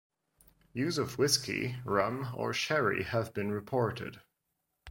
Use of whisky, rum, or sherry have been reported.